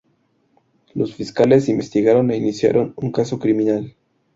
Los fiscales investigaron e iniciaron un caso criminal.